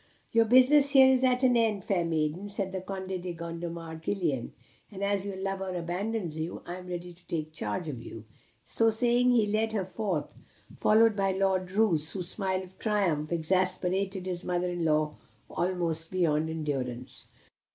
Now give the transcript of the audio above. "Your business here is at an end, fair maiden," said the Conde de Gondomar to Gillian; "and as your lover abandons you, I am ready to take charge of you." So saying he led her forth, followed by Lord Roos, whose smile of triumph exasperated his mother in law almost beyond endurance.